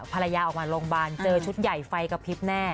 ภรรยาออกมาโรงพิธีมันเจอชุดใหญ่ไฟกับฮิปแน่